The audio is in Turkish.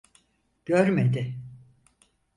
Görmedi.